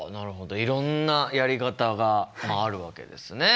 いろんなやり方があるわけですね。